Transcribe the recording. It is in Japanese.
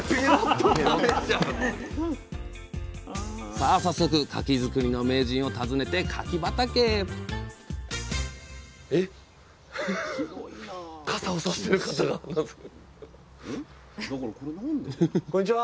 さあ早速柿作りの名人を訪ねて柿畑へこんにちは。